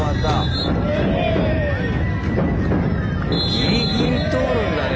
ギリギリ通るんだね